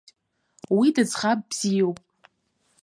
Уи дыӡӷаб бзиоуп.